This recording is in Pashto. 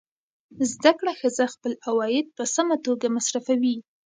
زده کړه ښځه خپل عواید په سمه توګه مصرفوي.